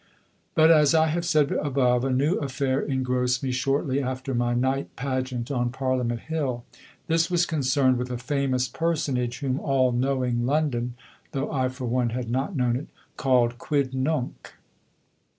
But as I have said above, a new affair engrossed me shortly after my night pageant on Parliament Hill. This was concerned with a famous personage whom all knowing London (though I for one had not known it) called Quidnunc.